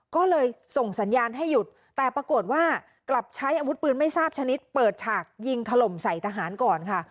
ก็เลยส่งสัญญาณให้หยุดแต่ปรากฏว่ากลับใช้อาวุธปืนไม่ทราบชนิดเปิดฉากยิงถล่มใส่ทหารก่อนค่ะ